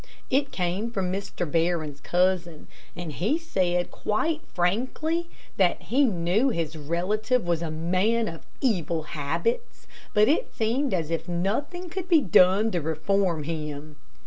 It came from Mr. Barron's cousin, and he said quite frankly that he knew his relative was a man of evil habits, but it seemed as if nothing could be done to reform him.